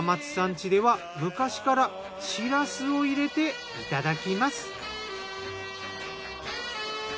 家では昔からしらすを入れていただきます。